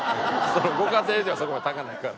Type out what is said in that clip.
ご家庭ではそこまで高ないから。